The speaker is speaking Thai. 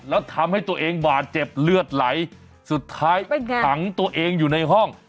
แล้วทำให้ตัวเองบาดเจ็บเลือดไหลสุดท้ายขังตัวเองอยู่ในห้อง